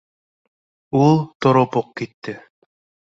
— Ул тороп уҡ китте